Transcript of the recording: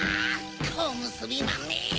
こむすびまんめ！